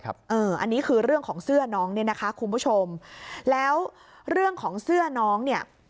อันนี้คือเรื่องของเสื้อน้องเนี่ยนะคะคุณผู้ชมแล้วเรื่องของเสื้อน้องเนี่ย